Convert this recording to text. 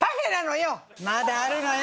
まだあるのよ。